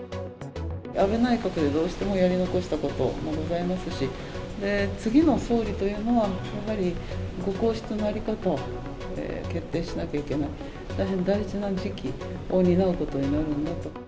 安倍内閣でどうしてもやり残したことございますし、次の総理というのは、やはりご皇室の在り方を決定しなきゃいけない、大変大事な時期を担うことになるんだと。